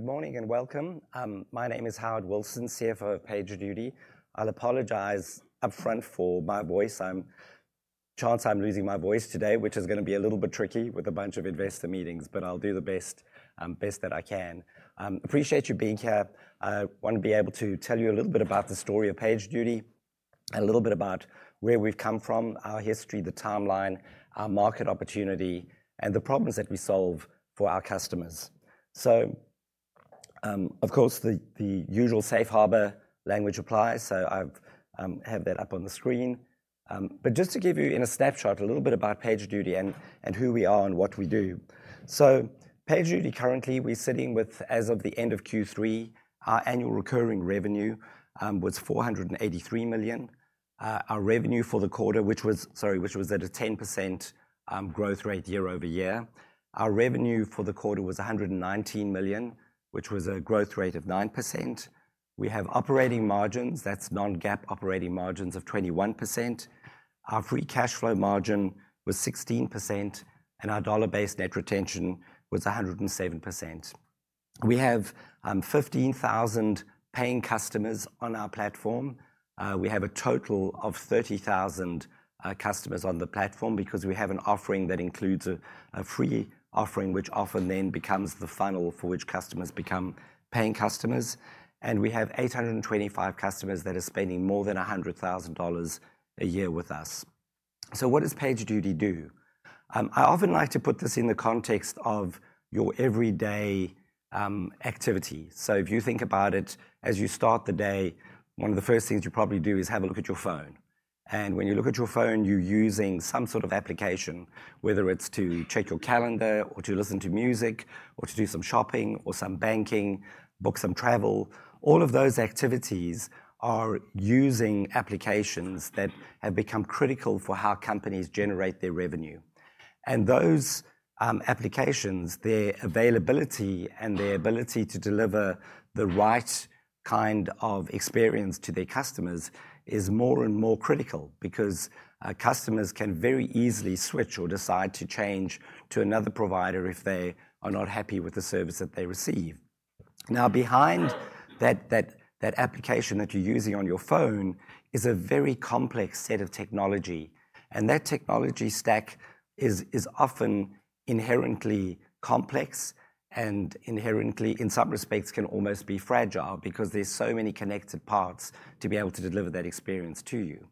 Good morning and welcome. My name is Howard Wilson, CFO of PagerDuty. I'll apologize upfront for my voice. I'm, chances are, I'm losing my voice today, which is going to be a little bit tricky with a bunch of investor meetings, but I'll do the best that I can. Appreciate you being here. I want to be able to tell you a little bit about the story of PagerDuty, a little bit about where we've come from, our history, the timeline, our market opportunity, and the problems that we solve for our customers. So, of course, the usual safe harbor language applies, so I have that up on the screen. But just to give you, in a snapshot, a little bit about PagerDuty and who we are and what we do. So, PagerDuty currently, we're sitting with, as of the end of Q3, our annual recurring revenue was $483 million. Our revenue for the quarter, which was, sorry, which was at a 10% growth rate year-over-year. Our revenue for the quarter was $119 million, which was a growth rate of 9%. We have operating margins, that's non-GAAP operating margins of 21%. Our free cash flow margin was 16%, and our dollar-based net retention was 107%. We have 15,000 paying customers on our platform. We have a total of 30,000 customers on the platform because we have an offering that includes a free offering, which often then becomes the funnel for which customers become paying customers, and we have 825 customers that are spending more than $100,000 a year with us. What does PagerDuty do? I often like to put this in the context of your everyday activity. So, if you think about it, as you start the day, one of the first things you probably do is have a look at your phone. And when you look at your phone, you're using some sort of application, whether it's to check your calendar or to listen to music or to do some shopping or some banking, book some travel. All of those activities are using applications that have become critical for how companies generate their revenue. And those applications, their availability and their ability to deliver the right kind of experience to their customers is more and more critical because customers can very easily switch or decide to change to another provider if they are not happy with the service that they receive. Now, behind that application that you're using on your phone is a very complex set of technology. That technology stack is often inherently complex and inherently, in some respects, can almost be fragile because there's so many connected parts to be able to deliver that experience to you.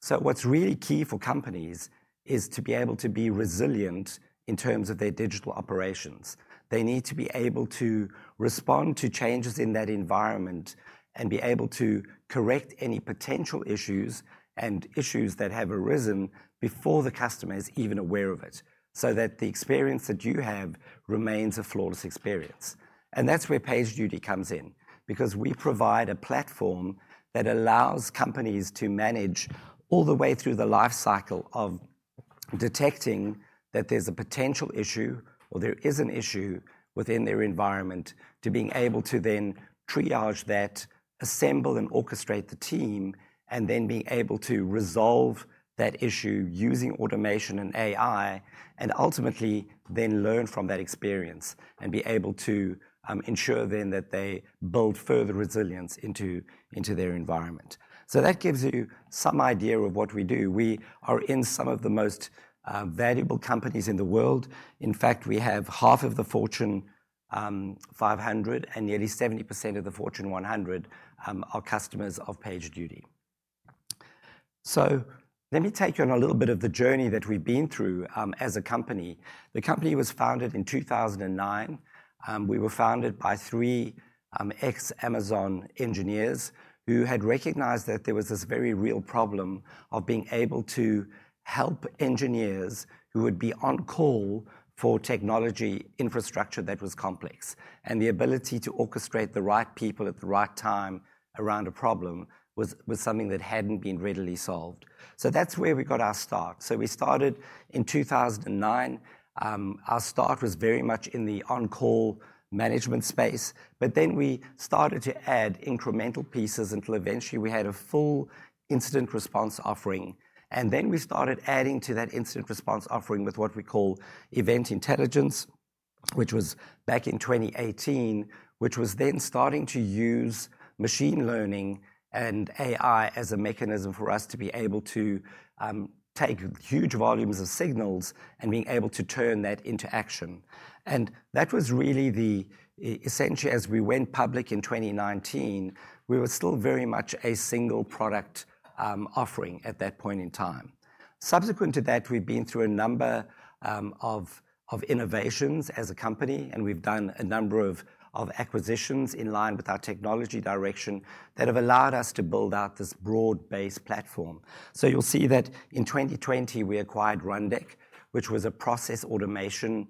So, what's really key for companies is to be able to be resilient in terms of their digital operations. They need to be able to respond to changes in that environment and be able to correct any potential issues and issues that have arisen before the customer is even aware of it, so that the experience that you have remains a flawless experience. That's where PagerDuty comes in, because we provide a platform that allows companies to manage all the way through the life cycle of detecting that there's a potential issue or there is an issue within their environment, to being able to then triage that, assemble and orchestrate the team, and then being able to resolve that issue using automation and AI, and ultimately then learn from that experience and be able to ensure then that they build further resilience into their environment. That gives you some idea of what we do. We are in some of the most valuable companies in the world. In fact, we have half of the Fortune 500 and nearly 70% of the Fortune 100 are customers of PagerDuty. Let me take you on a little bit of the journey that we've been through as a company. The company was founded in 2009. We were founded by three ex-Amazon engineers who had recognized that there was this very real problem of being able to help engineers who would be on call for technology infrastructure that was complex, and the ability to orchestrate the right people at the right time around a problem was something that hadn't been readily solved, so that's where we got our start, so we started in 2009. Our start was very much in the on-call management space, but then we started to add incremental pieces until eventually we had a full incident response offering, and then we started adding to that incident response offering with what we call Event Intelligence, which was back in 2018, which was then starting to use machine learning and AI as a mechanism for us to be able to take huge volumes of signals and being able to turn that into action. That was really the essentially, as we went public in 2019, we were still very much a single product offering at that point in time. Subsequent to that, we've been through a number of innovations as a company, and we've done a number of acquisitions in line with our technology direction that have allowed us to build out this broad-based platform. You'll see that in 2020, we acquired Rundeck, which was a process automation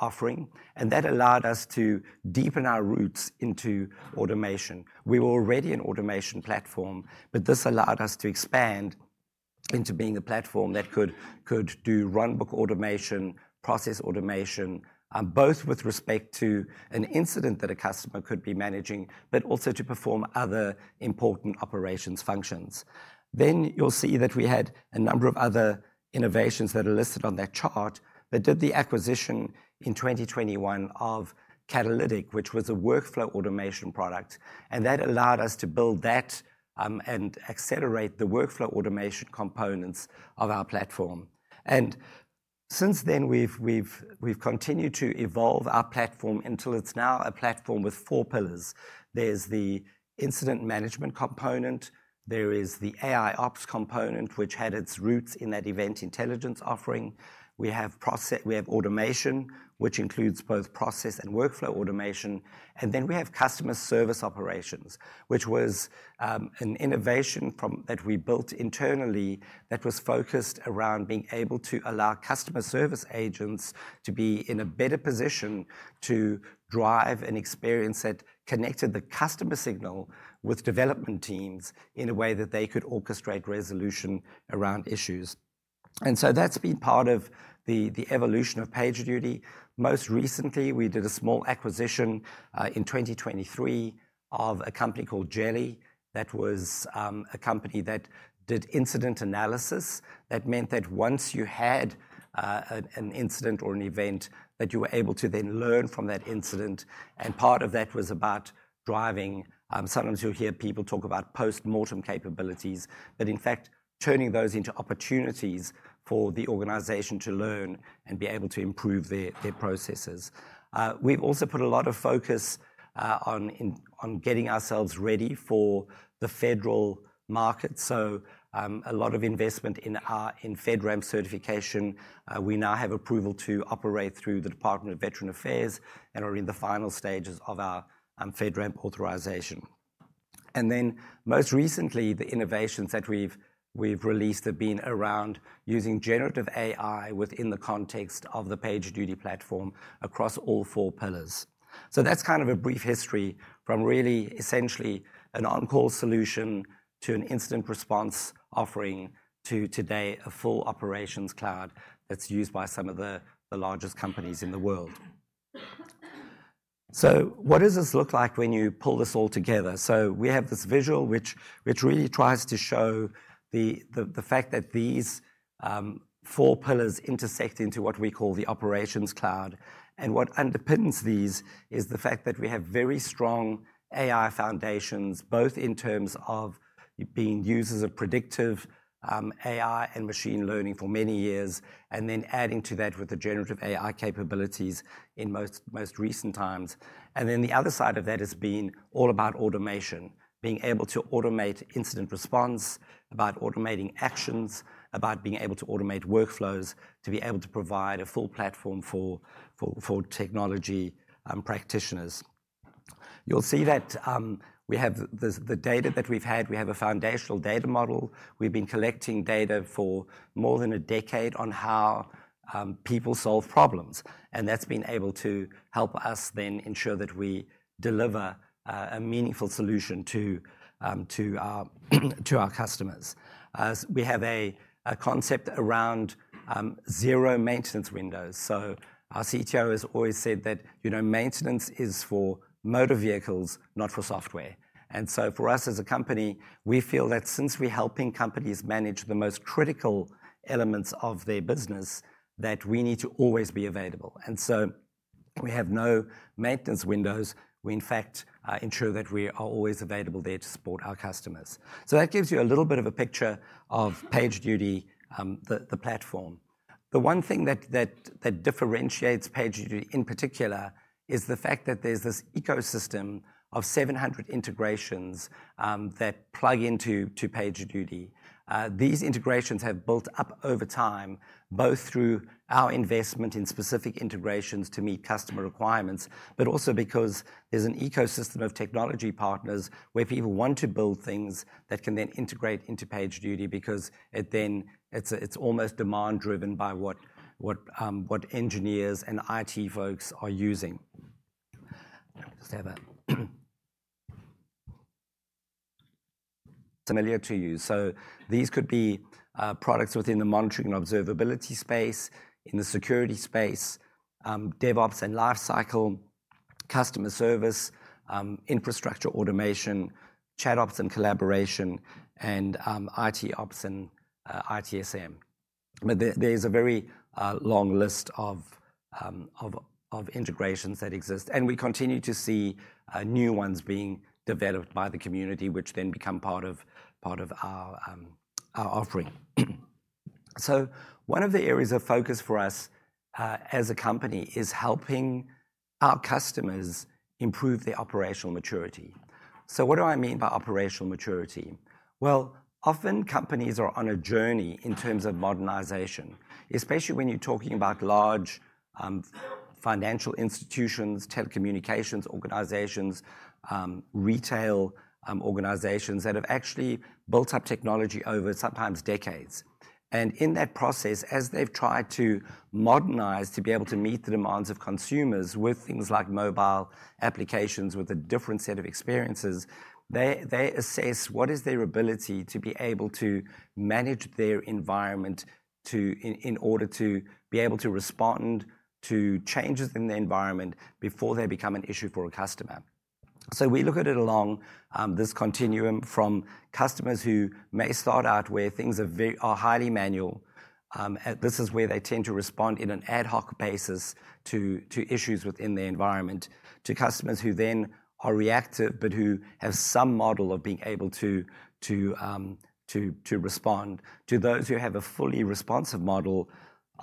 offering, and that allowed us to deepen our roots into automation. We were already an automation platform, but this allowed us to expand into being a platform that could do runbook automation, process automation, both with respect to an incident that a customer could be managing, but also to perform other important operations functions. Then you'll see that we had a number of other innovations that are listed on that chart, but did the acquisition in 2021 of Catalytic, which was a workflow automation product, and that allowed us to build that and accelerate the workflow automation components of our platform, and since then, we've continued to evolve our platform until it's now a platform with four pillars. There's the incident management component. There is the AIOps component, which had its roots in that Event Intelligence offering. We have automation, which includes both process and workflow automation, and then we have Customer Service Operations, which was an innovation that we built internally that was focused around being able to allow customer service agents to be in a better position to drive an experience that connected the customer signal with development teams in a way that they could orchestrate resolution around issues. And so that's been part of the evolution of PagerDuty. Most recently, we did a small acquisition in 2023 of a company called Jeli. That was a company that did incident analysis. That meant that once you had an incident or an event, that you were able to then learn from that incident. And part of that was about driving. Sometimes you'll hear people talk about postmortem capabilities, but in fact, turning those into opportunities for the organization to learn and be able to improve their processes. We've also put a lot of focus on getting ourselves ready for the federal market, so a lot of investment in FedRAMP certification. We now have approval to operate through the Department of Veterans Affairs and are in the final stages of our FedRAMP authorization. And then most recently, the innovations that we've released have been around using generative AI within the context of the PagerDuty platform across all four pillars. So, that's kind of a brief history from really essentially an on-call solution to an incident response offering to today, a full Operations Cloud that's used by some of the largest companies in the world. So, what does this look like when you pull this all together? So, we have this visual which really tries to show the fact that these four pillars intersect into what we call the Operations Cloud. And what underpins these is the fact that we have very strong AI foundations, both in terms of being used as a predictive AI and machine learning for many years, and then adding to that with the generative AI capabilities in most recent times. And then the other side of that has been all about automation, being able to automate incident response, about automating actions, about being able to automate workflows to be able to provide a full platform for technology practitioners. You'll see that we have the data that we've had. We have a foundational data model. We've been collecting data for more than a decade on how people solve problems. And that's been able to help us then ensure that we deliver a meaningful solution to our customers. We have a concept around Zero Maintenance Windows. So, our CTO has always said that maintenance is for motor vehicles, not for software. And so for us as a company, we feel that since we're helping companies manage the most critical elements of their business, that we need to always be available. And so we have no maintenance windows. We, in fact, ensure that we are always available there to support our customers. So, that gives you a little bit of a picture of PagerDuty, the platform. The one thing that differentiates PagerDuty in particular is the fact that there's this ecosystem of 700 integrations that plug into PagerDuty. These integrations have built up over time, both through our investment in specific integrations to meet customer requirements, but also because there's an ecosystem of technology partners where people want to build things that can then integrate into PagerDuty because it's almost demand-driven by what engineers and IT folks are using. Just a few familiar to you. So, these could be products within the monitoring and observability space, in the security space, DevOps and lifecycle, customer service, infrastructure automation, ChatOps and collaboration, and ITOps and ITSM. But there's a very long list of integrations that exist. And we continue to see new ones being developed by the community, which then become part of our offering. So, one of the areas of focus for us as a company is helping our customers improve their operational maturity. So, what do I mean by operational maturity? Well, often companies are on a journey in terms of modernization, especially when you're talking about large financial institutions, telecommunications organizations, retail organizations that have actually built up technology over sometimes decades. And in that process, as they've tried to modernize to be able to meet the demands of consumers with things like mobile applications with a different set of experiences, they assess what is their ability to be able to manage their environment in order to be able to respond to changes in the environment before they become an issue for a customer. So, we look at it along this continuum from customers who may start out where things are highly manual. This is where they tend to respond in an ad hoc basis to issues within the environment, to customers who then are reactive, but who have some model of being able to respond. To those who have a fully responsive model,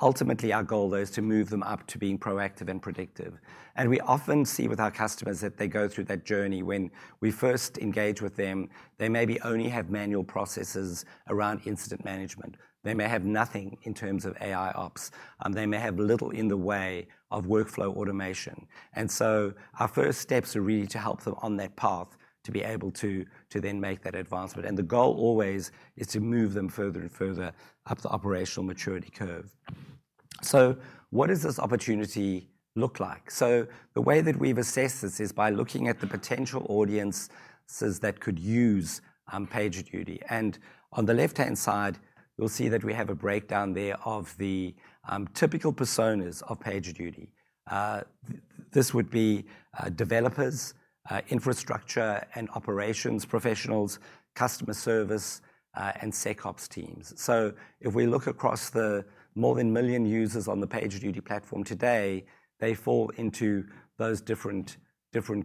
ultimately our goal is to move them up to being proactive and predictive. And we often see with our customers that they go through that journey when we first engage with them, they maybe only have manual processes around incident management. They may have nothing in terms of AIOps. They may have little in the way of workflow automation. And so our first steps are really to help them on that path to be able to then make that advancement. And the goal always is to move them further and further up the operational maturity curve. So, what does this opportunity look like? So, the way that we've assessed this is by looking at the potential audiences that could use PagerDuty. And on the left-hand side, you'll see that we have a breakdown there of the typical personas of PagerDuty. This would be developers, infrastructure and operations professionals, customer service, and SecOps teams. So, if we look across the more than a million users on the PagerDuty platform today, they fall into those different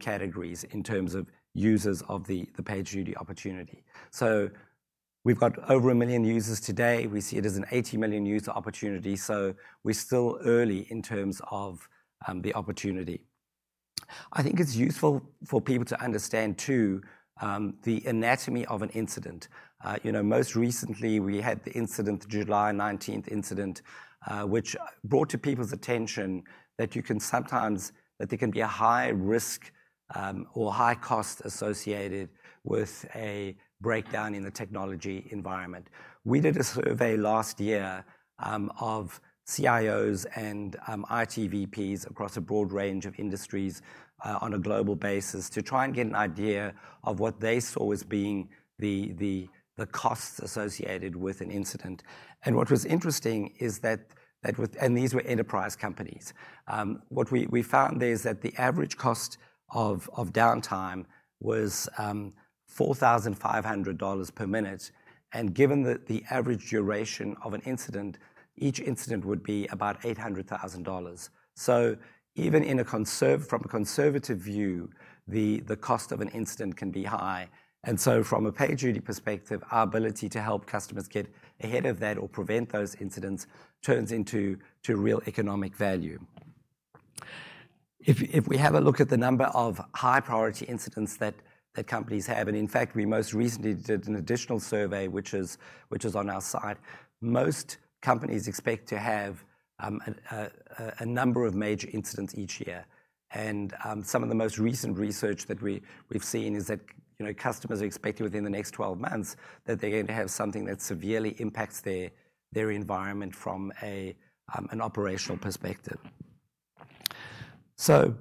categories in terms of users of the PagerDuty opportunity. So, we've got over a million users today. We see it as an 80 million user opportunity. So, we're still early in terms of the opportunity. I think it's useful for people to understand too the anatomy of an incident. Most recently, we had the incident, July 19th incident, which brought to people's attention that there can be a high risk or high cost associated with a breakdown in the technology environment. We did a survey last year of CIOs and IT VPs across a broad range of industries on a global basis to try and get an idea of what they saw as being the costs associated with an incident. And what was interesting is that, and these were enterprise companies, what we found there is that the average cost of downtime was $4,500 per minute. And given that the average duration of an incident, each incident would be about $800,000. So, even from a conservative view, the cost of an incident can be high. And so from a PagerDuty perspective, our ability to help customers get ahead of that or prevent those incidents turns into real economic value. If we have a look at the number of high-priority incidents that companies have, and in fact, we most recently did an additional survey, which is on our site. Most companies expect to have a number of major incidents each year, and some of the most recent research that we've seen is that customers are expecting within the next 12 months that they're going to have something that severely impacts their environment from an operational perspective, so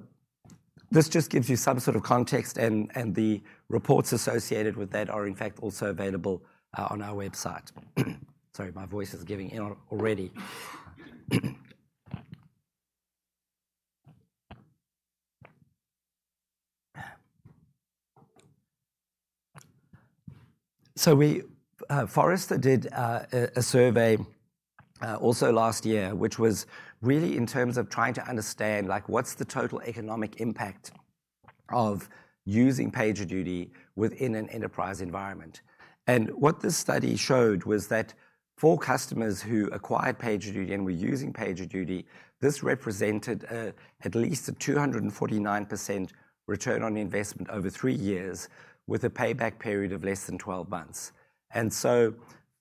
this just gives you some sort of context, and the reports associated with that are in fact also available on our website. Sorry, my voice is giving in already, so Forrester did a survey also last year, which was really in terms of trying to understand what's the total economic impact of using PagerDuty within an enterprise environment. What this study showed was that for customers who acquired PagerDuty and were using PagerDuty, this represented at least a 249% return on investment over three years with a payback period of less than 12 months. So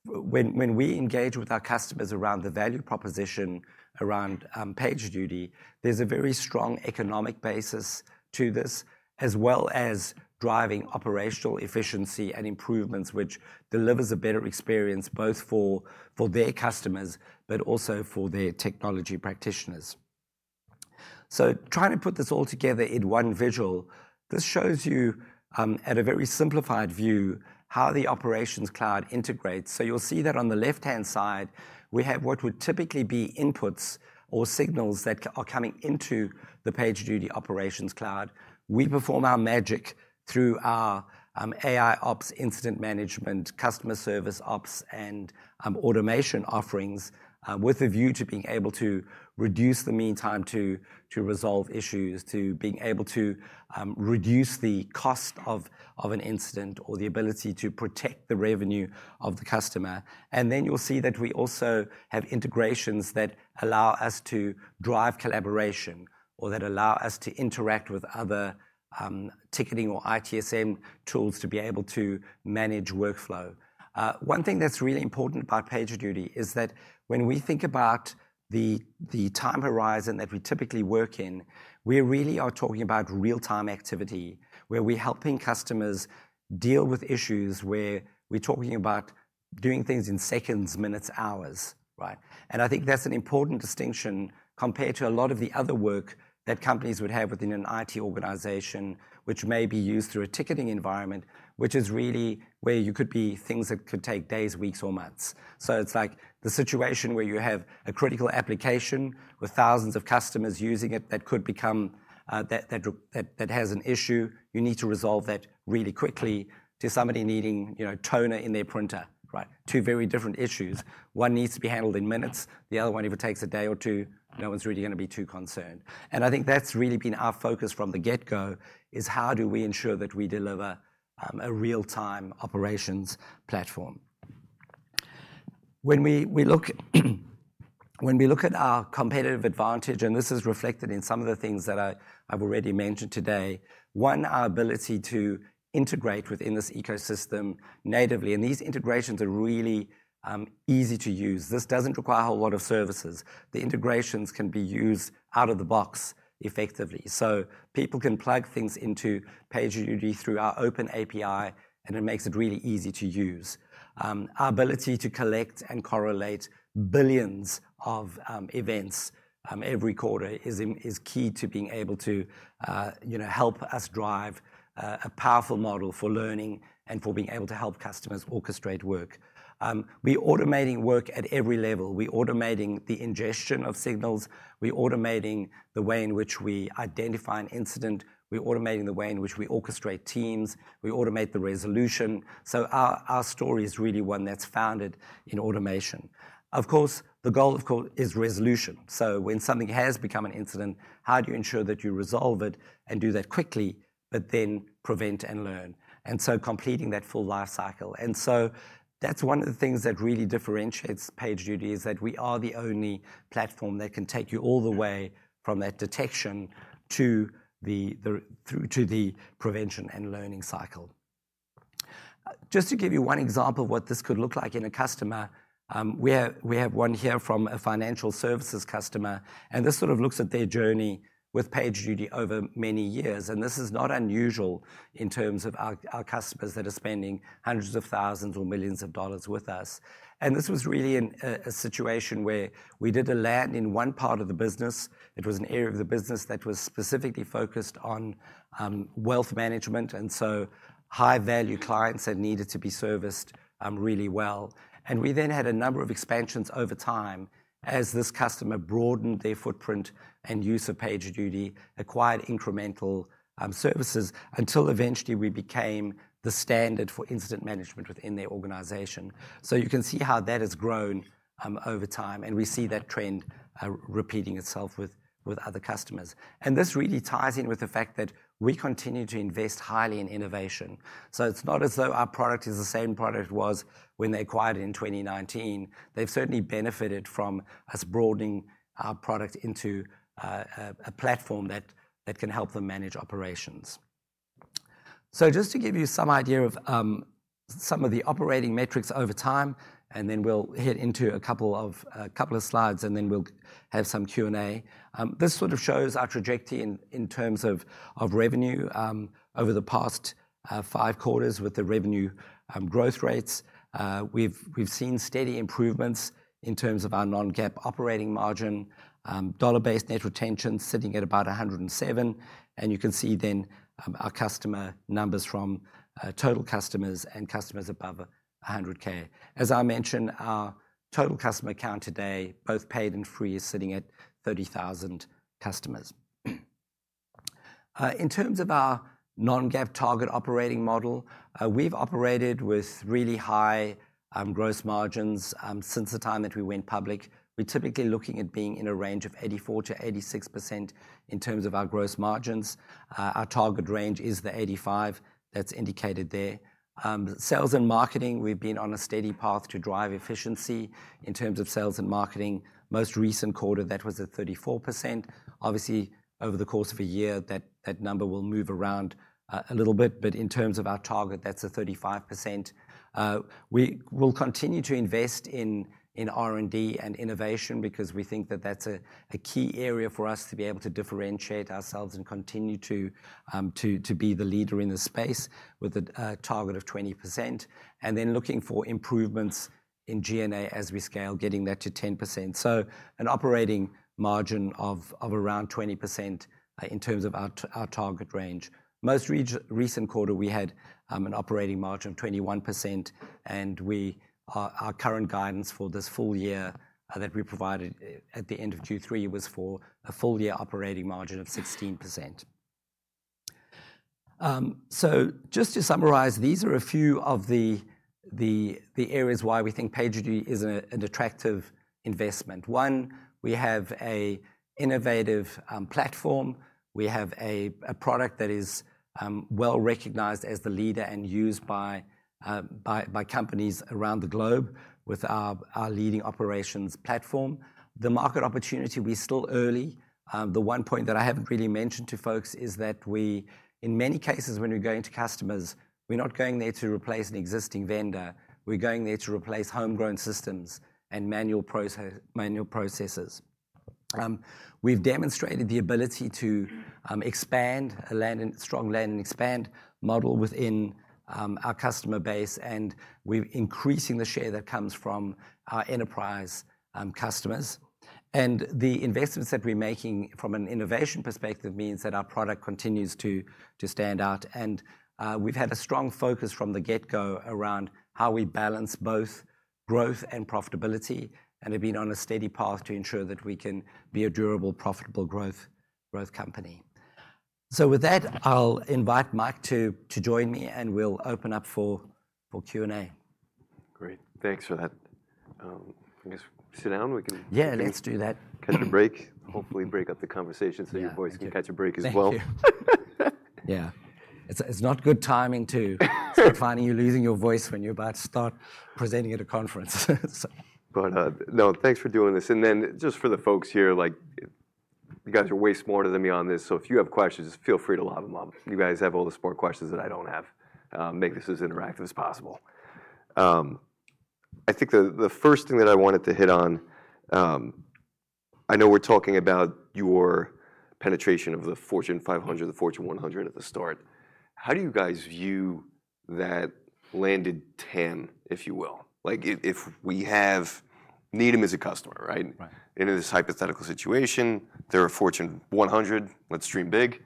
when we engage with our customers around the value proposition around PagerDuty, there's a very strong economic basis to this as well as driving operational efficiency and improvements, which delivers a better experience both for their customers, but also for their technology practitioners. Trying to put this all together in one visual, this shows you at a very simplified view how the Operations Cloud integrates. You'll see that on the left-hand side, we have what would typically be inputs or signals that are coming into the PagerDuty Operations Cloud. We perform our magic through our AIOps, incident management, customer service ops, and automation offerings with a view to being able to reduce the meantime to resolve issues, to being able to reduce the cost of an incident or the ability to protect the revenue of the customer, and then you'll see that we also have integrations that allow us to drive collaboration or that allow us to interact with other ticketing or ITSM tools to be able to manage workflow. One thing that's really important about PagerDuty is that when we think about the time horizon that we typically work in, we really are talking about real-time activity where we're helping customers deal with issues, where we're talking about doing things in seconds, minutes, hours. And I think that's an important distinction compared to a lot of the other work that companies would have within an IT organization, which may be used through a ticketing environment, which is really where things could take days, weeks, or months. So, it's like the situation where you have a critical application with thousands of customers using it that has an issue. You need to resolve that really quickly, to somebody needing toner in their printer. Two very different issues. One needs to be handled in minutes. The other one, if it takes a day or two, no one's really going to be too concerned. And I think that's really been our focus from the get-go is how do we ensure that we deliver a real-time operations platform. When we look at our competitive advantage, and this is reflected in some of the things that I've already mentioned today, one, our ability to integrate within this ecosystem natively, and these integrations are really easy to use. This doesn't require a whole lot of services. The integrations can be used out of the box effectively, so people can plug things into PagerDuty through our open API, and it makes it really easy to use. Our ability to collect and correlate billions of events every quarter is key to being able to help us drive a powerful model for learning and for being able to help customers orchestrate work. We're automating work at every level. We're automating the ingestion of signals. We're automating the way in which we identify an incident. We're automating the way in which we orchestrate teams. We automate the resolution. Our story is really one that's founded in automation. Of course, the goal is resolution. When something has become an incident, how do you ensure that you resolve it and do that quickly, but then prevent and learn? And so completing that full life cycle. That's one of the things that really differentiates PagerDuty: we are the only platform that can take you all the way from that detection to the prevention and learning cycle. Just to give you one example of what this could look like in a customer, we have one here from a financial services customer. And this sort of looks at their journey with PagerDuty over many years. And this is not unusual in terms of our customers that are spending hundreds of thousands or millions of dollars with us. And this was really a situation where we did a land in one part of the business. It was an area of the business that was specifically focused on wealth management and so high-value clients that needed to be serviced really well. And we then had a number of expansions over time as this customer broadened their footprint and use of PagerDuty, acquired incremental services until eventually we became the standard for incident management within their organization. So, you can see how that has grown over time. And we see that trend repeating itself with other customers. And this really ties in with the fact that we continue to invest highly in innovation. So, it's not as though our product is the same product it was when they acquired it in 2019. They've certainly benefited from us broadening our product into a platform that can help them manage operations. So, just to give you some idea of some of the operating metrics over time, and then we'll head into a couple of slides, and then we'll have some Q&A. This sort of shows our trajectory in terms of revenue over the past five quarters with the revenue growth rates. We've seen steady improvements in terms of our Non-GAAP operating margin, dollar-based net retention sitting at about 107. And you can see then our customer numbers from total customers and customers above 100K. As I mentioned, our total customer count today, both paid and free, is sitting at 30,000 customers. In terms of our Non-GAAP target operating model, we've operated with really high gross margins since the time that we went public. We're typically looking at being in a range of 84%-86% in terms of our gross margins. Our target range is the 85% that's indicated there. Sales and marketing, we've been on a steady path to drive efficiency in terms of sales and marketing. Most recent quarter, that was at 34%. Obviously, over the course of a year, that number will move around a little bit, but in terms of our target, that's a 35%. We will continue to invest in R&D and innovation because we think that that's a key area for us to be able to differentiate ourselves and continue to be the leader in the space with a target of 20%. And then looking for improvements in G&A as we scale, getting that to 10%. So, an operating margin of around 20% in terms of our target range. Most recent quarter, we had an operating margin of 21%. And our current guidance for this full year that we provided at the end of Q3 was for a full year operating margin of 16%. So, just to summarize, these are a few of the areas why we think PagerDuty is an attractive investment. One, we have an innovative platform. We have a product that is well recognized as the leader and used by companies around the globe with our leading operations platform. The market opportunity, we're still early. The one point that I haven't really mentioned to folks is that we, in many cases, when we go into customers, we're not going there to replace an existing vendor. We're going there to replace homegrown systems and manual processes. We've demonstrated the ability to expand a strong land and expand model within our customer base. And we're increasing the share that comes from our enterprise customers. And the investments that we're making from an innovation perspective means that our product continues to stand out. We've had a strong focus from the get-go around how we balance both growth and profitability. And we've been on a steady path to ensure that we can be a durable, profitable growth company. With that, I'll invite Mike to join me, and we'll open up for Q&A. Great. Thanks for that. I guess sit down. We can. Yeah, let's do that. Catch a break, hopefully, break up the conversation so your voice can catch a break as well. Yeah. It's not good timing to find you losing your voice when you're about to start presenting at a conference. But no, thanks for doing this. And then just for the folks here, you guys are way smarter than me on this. So, if you have questions, just feel free to lob them on. You guys have all the smart questions that I don't have. Make this as interactive as possible. I think the first thing that I wanted to hit on, I know we're talking about your penetration of the Fortune 500, the Fortune 100 at the start. How do you guys view that landed 10, if you will? If we have Needham as a customer, right? In this hypothetical situation, they're a Fortune 100, let's dream big.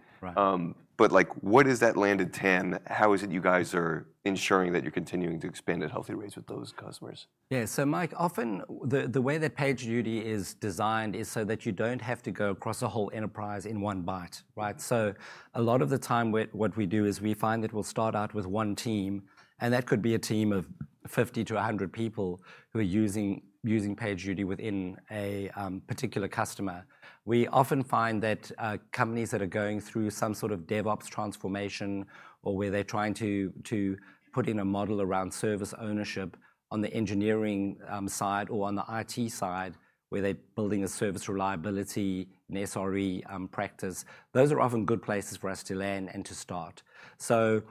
But what is that landed 10? How is it you guys are ensuring that you're continuing to expand at healthy rates with those customers? Yeah. So, Mike, often the way that PagerDuty is designed is so that you don't have to go across a whole enterprise in one bite. So, a lot of the time what we do is we find that we'll start out with one team. And that could be a team of 50-100 people who are using PagerDuty within a particular customer. We often find that companies that are going through some sort of DevOps transformation or where they're trying to put in a model around service ownership on the engineering side or on the IT side where they're building a Site Reliability and SRE practice, those are often good places for us to land and to start. So,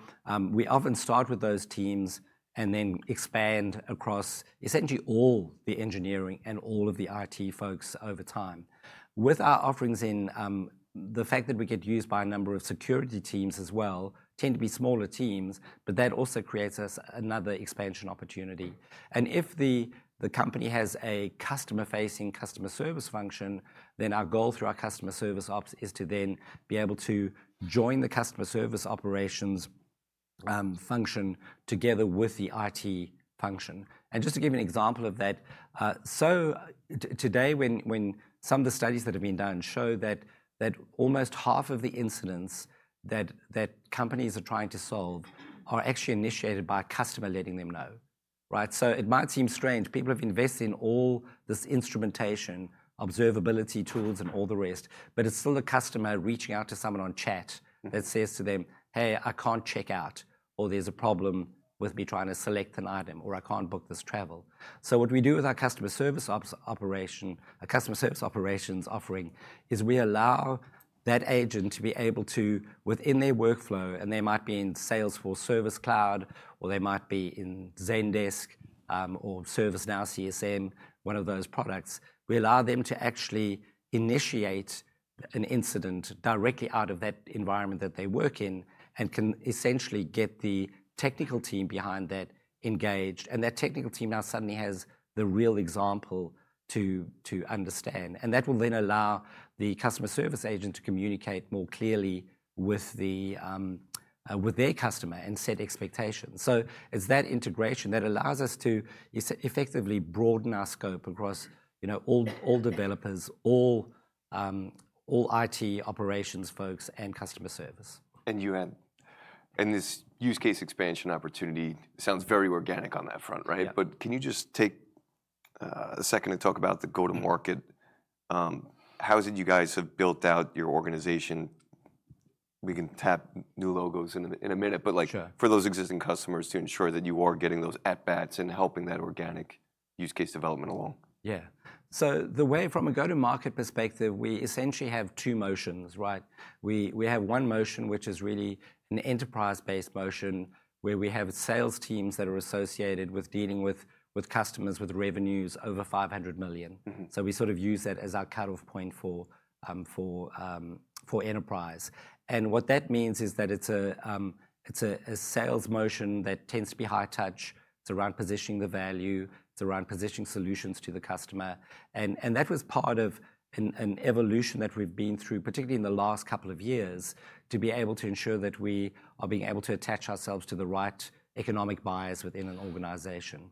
we often start with those teams and then expand across essentially all the engineering and all of the IT folks over time. With our offerings in, the fact that we get used by a number of security teams as well tend to be smaller teams, but that also creates us another expansion opportunity. And if the company has a customer-facing customer service function, then our goal through our customer service ops is to then be able to join the Customer Service Operations function together with the IT function. And just to give you an example of that, so today when some of the studies that have been done show that almost half of the incidents that companies are trying to solve are actually initiated by a customer letting them know. So, it might seem strange. People have invested in all this instrumentation, observability tools, and all the rest, but it's still the customer reaching out to someone on chat that says to them, "Hey, I can't check out," or, "There's a problem with me trying to select an item," or, "I can't book this travel." So, what we do with our customer service operation, our Customer Service Operations offering is we allow that agent to be able to, within their workflow, and they might be in Salesforce Service Cloud, or they might be in Zendesk or ServiceNow CSM, one of those products, we allow them to actually initiate an incident directly out of that environment that they work in and can essentially get the technical team behind that engaged. And that technical team now suddenly has the real example to understand. That will then allow the customer service agent to communicate more clearly with their customer and set expectations. It's that integration that allows us to effectively broaden our scope across all developers, all IT operations folks, and customer service. And you had, and this use case expansion opportunity sounds very organic on that front, right? But can you just take a second and talk about the go-to-market? How is it you guys have built out your organization? We can tap new logos in a minute, but for those existing customers to ensure that you are getting those at-bats and helping that organic use case development along? Yeah. So, the way from a go-to-market perspective, we essentially have two motions, right? We have one motion, which is really an enterprise-based motion where we have sales teams that are associated with dealing with customers with revenues over $500 million. So, we sort of use that as our cut-off point for enterprise. And what that means is that it's a sales motion that tends to be high touch. It's around positioning the value. It's around positioning solutions to the customer. And that was part of an evolution that we've been through, particularly in the last couple of years, to be able to ensure that we are being able to attach ourselves to the right economic bias within an organization.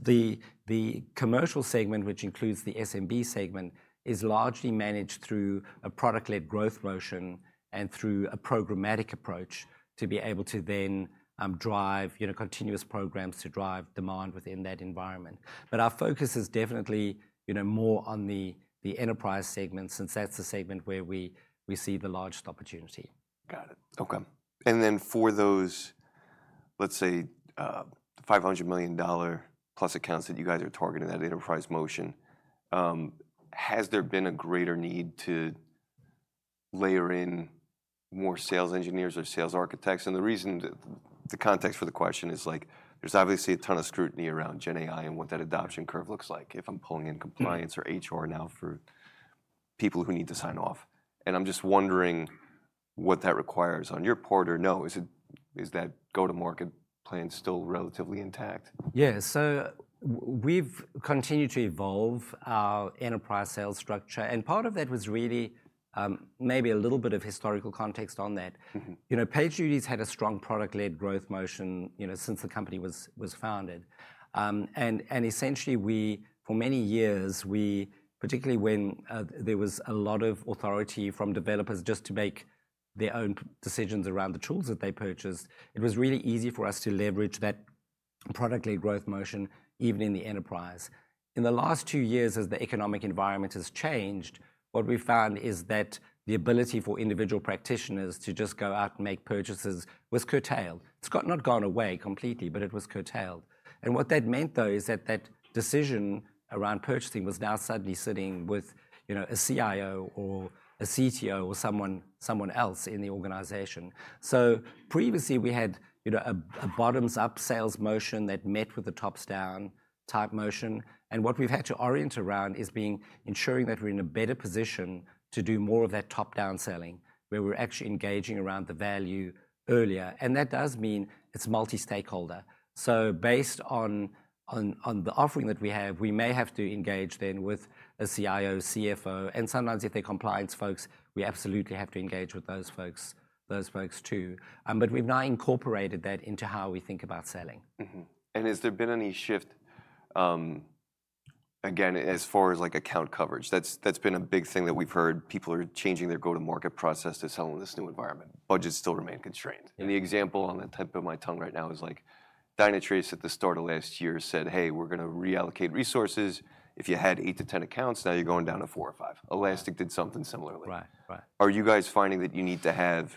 The commercial segment, which includes the SMB segment, is largely managed through a product-led growth motion and through a programmatic approach to be able to then drive continuous programs to drive demand within that environment. But our focus is definitely more on the enterprise segment since that's the segment where we see the largest opportunity. Got it. Okay. And then for those, let's say, $500 million plus accounts that you guys are targeting that enterprise motion, has there been a greater need to layer in more sales engineers or sales architects? And the reason, the context for the question is there's obviously a ton of scrutiny around GenAI and what that adoption curve looks like if I'm pulling in compliance or HR now for people who need to sign off. And I'm just wondering what that requires on your part, or no, is that go-to-market plan still relatively intact? Yeah. So, we've continued to evolve our enterprise sales structure, and part of that was really maybe a little bit of historical context on that. PagerDuty has had a strong product-led growth motion since the company was founded, and essentially, for many years, particularly when there was a lot of authority from developers just to make their own decisions around the tools that they purchased, it was really easy for us to leverage that product-led growth motion even in the enterprise. In the last two years, as the economic environment has changed, what we found is that the ability for individual practitioners to just go out and make purchases was curtailed. It's not gone away completely, but it was curtailed, and what that meant, though, is that that decision around purchasing was now suddenly sitting with a CIO or a CTO or someone else in the organization. So, previously, we had a bottoms-up sales motion that met with a tops-down type motion. And what we've had to orient around is being ensuring that we're in a better position to do more of that top-down selling where we're actually engaging around the value earlier. And that does mean it's multi-stakeholder. So, based on the offering that we have, we may have to engage then with a CIO, CFO, and sometimes if they're compliance folks, we absolutely have to engage with those folks too. But we've now incorporated that into how we think about selling. Has there been any shift, again, as far as account coverage? That's been a big thing that we've heard. People are changing their go-to-market process to some of this new environment. Budgets still remain constrained. And the example on the tip of my tongue right now is Dynatrace at the start of last year said, "Hey, we're going to reallocate resources." If you had eight to 10 accounts, now you're going down to four or five. Elastic did something similarly. Are you guys finding that you need to have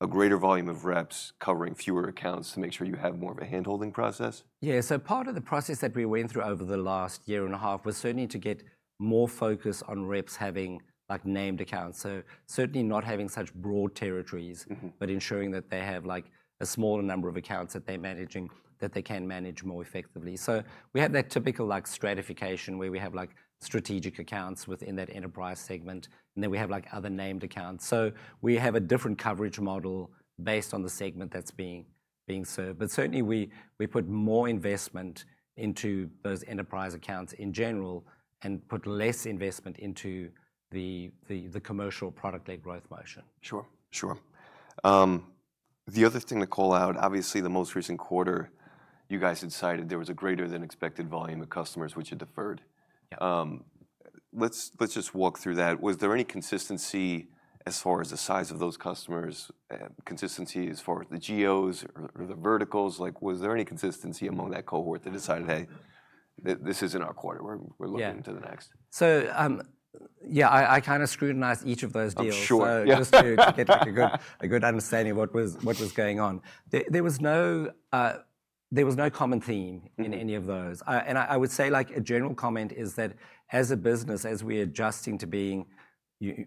a greater volume of reps covering fewer accounts to make sure you have more of a handholding process? Yeah. So, part of the process that we went through over the last year and a half was certainly to get more focus on reps having named accounts, so certainly not having such broad territories, but ensuring that they have a smaller number of accounts that they're managing that they can manage more effectively. So, we have that typical stratification where we have strategic accounts within that enterprise segment, and then we have other named accounts, so we have a different coverage model based on the segment that's being served, but certainly, we put more investment into those enterprise accounts in general and put less investment into the commercial product-led growth motion. Sure. Sure. The other thing to call out, obviously, the most recent quarter, you guys had decided there was a greater than expected volume of customers, which had deferred. Let's just walk through that. Was there any consistency as far as the size of those customers, consistency as far as the GOs or the verticals? Was there any consistency among that cohort that decided, "Hey, this isn't our quarter. We're looking to the next"? Yeah, so, yeah, I kind of scrutinized each of those deals just to get a good understanding of what was going on. There was no common theme in any of those, and I would say a general comment is that as a business, as we're adjusting to being,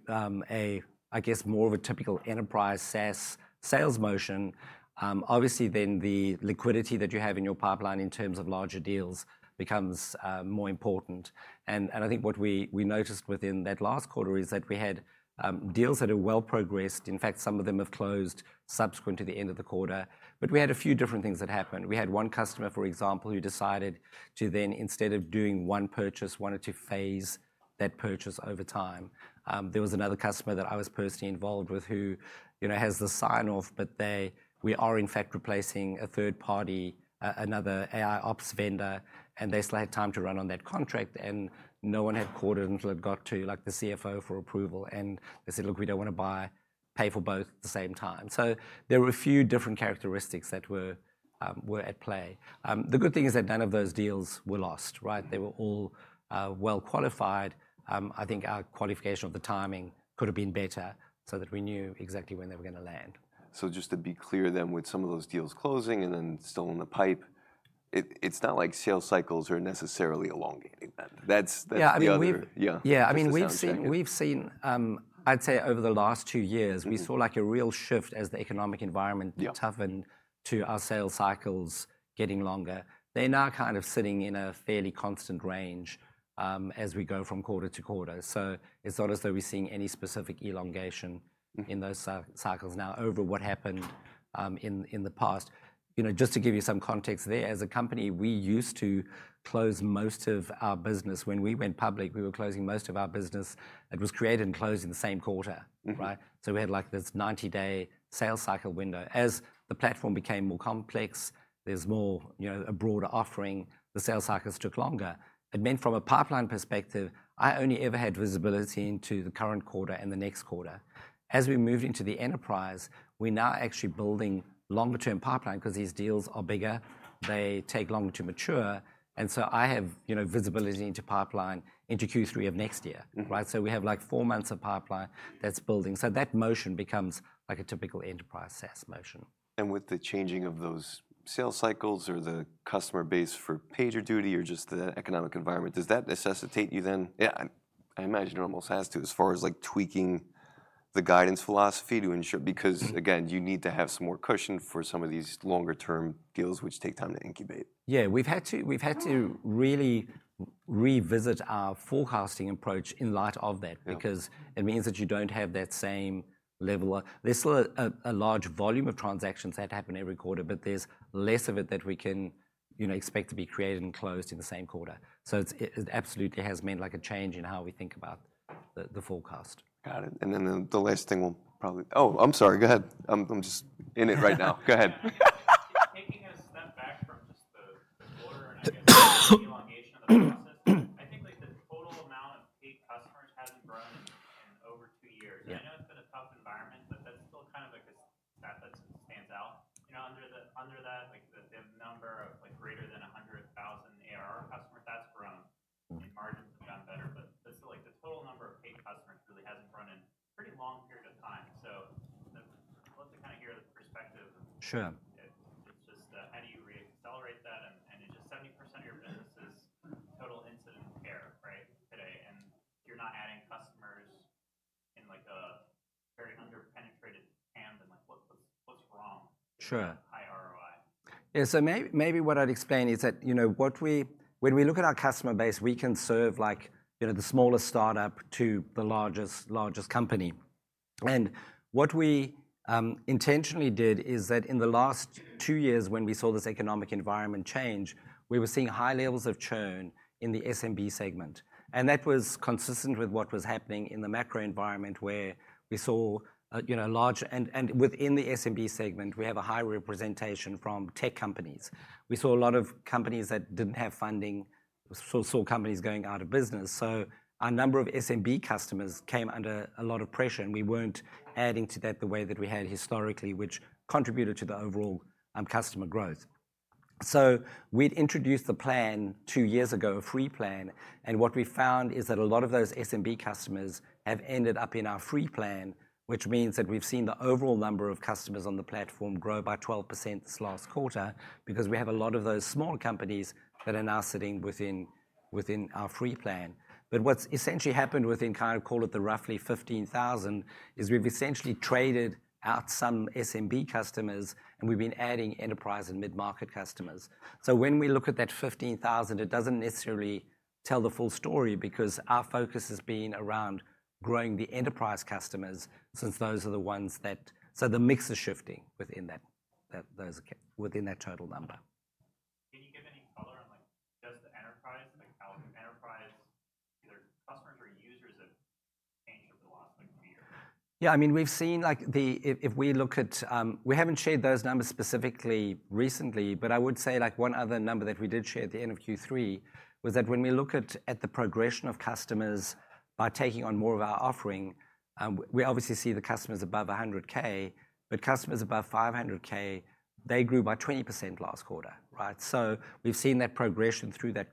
I guess, more of a typical enterprise SaaS sales motion, obviously, then the liquidity that you have in your pipeline in terms of larger deals becomes more important, and I think what we noticed within that last quarter is that we had deals that are well progressed. In fact, some of them have closed subsequent to the end of the quarter, but we had a few different things that happened. We had one customer, for example, who decided to then, instead of doing one purchase, wanted to phase that purchase over time. There was another customer that I was personally involved with who has the sign-off, but we are, in fact, replacing a third party, another AIOps vendor, and they still had time to run on that contract, and no one had called it until it got to the CFO for approval, and they said, "Look, we don't want to pay for both at the same time," so there were a few different characteristics that were at play. The good thing is that none of those deals were lost. They were all well qualified. I think our qualification of the timing could have been better so that we knew exactly when they were going to land. So, just to be clear then, with some of those deals closing and then still in the pipe, it's not like sales cycles are necessarily elongating. That's the other thing. Yeah. I mean, we've seen, I'd say, over the last two years, we saw a real shift as the economic environment toughened to our sales cycles getting longer. They're now kind of sitting in a fairly constant range as we go from quarter to quarter. So, it's not as though we're seeing any specific elongation in those cycles now over what happened in the past. Just to give you some context there, as a company, we used to close most of our business. When we went public, we were closing most of our business that was created and closed in the same quarter. So, we had this 90-day sales cycle window. As the platform became more complex, there's more a broader offering, the sales cycles took longer. It meant from a pipeline perspective, I only ever had visibility into the current quarter and the next quarter. As we moved into the enterprise, we're now actually building longer-term pipeline because these deals are bigger. They take longer to mature. And so, I have visibility into pipeline into Q3 of next year. So, we have four months of pipeline that's building. So, that motion becomes a typical enterprise SaaS motion. With the changing of those sales cycles or the customer base for PagerDuty or just the economic environment, does that necessitate you then? Yeah, I imagine it almost has to as far as tweaking the guidance philosophy to ensure, because again, you need to have some more cushion for some of these longer-term deals, which take time to incubate. Yeah. We've had to really revisit our forecasting approach in light of that because it means that you don't have that same level. There's still a large volume of transactions that happen every quarter, but there's less of it that we can expect to be created and closed in the same quarter. So, it absolutely has meant a change in how we think about the forecast. Got it. And then the last thing will probably. Oh, I'm sorry. Go ahead. I'm just in it right now. Go ahead. Taking a step back from just the quarter and the elongation of the process, I think the total amount of paid customers hasn't grown in over two years. I know it's been a tough environment, but that's still kind of a stat that stands out. Under that, the number of greater than $100,000 ARR customers, that's grown. The margins have gotten better. But the total number of paid customers really hasn't grown in a pretty long period of time. So, I'd love to kind of hear the perspective of how do you reaccelerate that? And it's just 70% of your business is total incident care, right, today. And you're not adding customers in a very underpenetrated land. And what's wrong with high ROI? Yeah, so maybe what I'd explain is that when we look at our customer base, we can serve the smallest startup to the largest company, and what we intentionally did is that in the last two years, when we saw this economic environment change, we were seeing high levels of churn in the SMB segment, and that was consistent with what was happening in the macro environment where we saw a large, and within the SMB segment, we have a high representation from tech companies. We saw a lot of companies that didn't have funding, saw companies going out of business, so our number of SMB customers came under a lot of pressure, and we weren't adding to that the way that we had historically, which contributed to the overall customer growth, so we'd introduced the plan two years ago, a free plan. And what we found is that a lot of those SMB customers have ended up in our free plan, which means that we've seen the overall number of customers on the platform grow by 12% this last quarter because we have a lot of those small companies that are now sitting within our free plan. But what's essentially happened within kind of call it the roughly 15,000 is we've essentially traded out some SMB customers, and we've been adding enterprise and mid-market customers. So, when we look at that 15,000, it doesn't necessarily tell the full story because our focus has been around growing the enterprise customers since those are the ones that, so, the mix is shifting within that total number. Can you give any color on just the enterprise and how enterprise either customers or users have changed over the last two years? Yeah. I mean, we've seen if we look at, we haven't shared those numbers specifically recently, but I would say one other number that we did share at the end of Q3 was that when we look at the progression of customers by taking on more of our offering, we obviously see the customers above $100K. But customers above $500K, they grew by 20% last quarter. So, we've seen that progression through that.